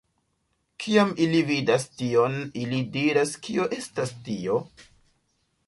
Kiam ili vidas tion, ili diras kio estas tio?